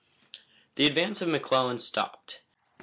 The advance of McClellan stopped.